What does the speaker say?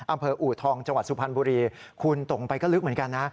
อูทองจังหวัดสุพรรณบุรีคุณตกไปก็ลึกเหมือนกันนะ